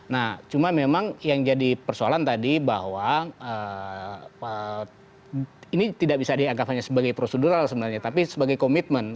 nah cuma memang yang jadi persoalan tadi bahwa ini tidak bisa dianggap hanya sebagai prosedural sebenarnya tapi sebagai komitmen